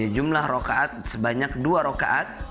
jumlah rokaat sebanyak dua rokaat